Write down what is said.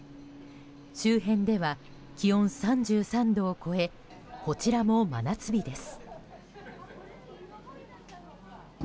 周辺では気温３３度を超えこちらも真夏日です。